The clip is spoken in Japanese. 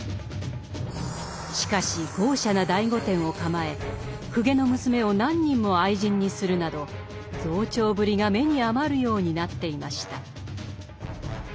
しかし豪奢な大御殿を構え公家の娘を何人も愛人にするなど増長ぶりが目に余るようになっていました。